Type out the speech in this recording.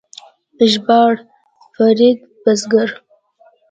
ژباړ: فرید بزګر